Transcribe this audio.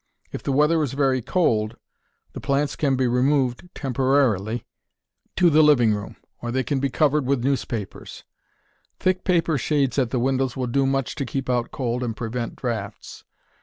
If the weather is very cold, the plants can be removed, temporarily, to the living room, or they can be covered with newspapers. Thick paper shades at the windows will do much to keep out cold and prevent draughts.